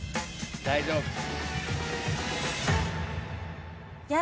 大丈夫。